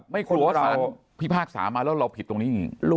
ไม่กลัวว่าศาลพิพากษามาแล้วเราผิดตรงนี้